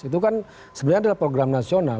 itu kan sebenarnya adalah program nasional